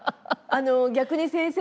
逆に先生。